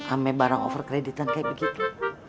ambil barang over kreditan kaya begitu